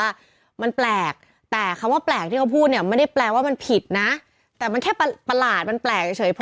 อ่าอ่าอ่าอ่าอ่าอ่าอ่าอ่าอ่าอ่าอ่าอ่าอ่าอ่า